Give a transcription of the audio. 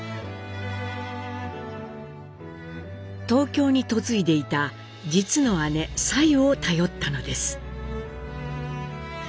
東京に嫁いでいた実の姉サユを頼ったのです。